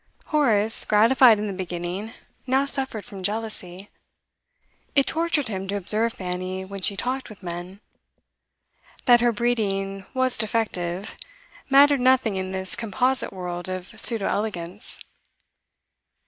Horace, gratified in the beginning, now suffered from jealousy; it tortured him to observe Fanny when she talked with men. That her breeding was defective, mattered nothing in this composite world of pseudo elegance.